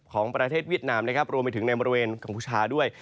ของประเทศเวียดนามนะครับรวมไปถึงในบริเวณกัมพูชาด้วย